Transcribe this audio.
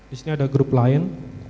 di sini ada grup lain